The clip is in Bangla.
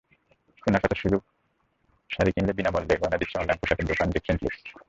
কেনাকাটার সুযোগশাড়ি কিনলে বিনা মূল্যে গয়না দিচ্ছে অনলাইন পোশাকের দোকান ডিফারেন্ট লুক।